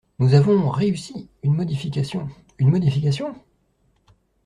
Nous avons… réussi… une modification. Une modification?